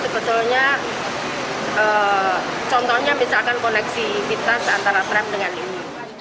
sebetulnya contohnya misalkan koneksi kita antara tram dengan ini